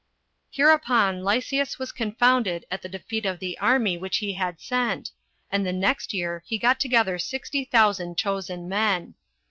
Hereupon Lysias was confounded at the defeat of the army which he had sent, and the next year he got together sixty thousand chosen men.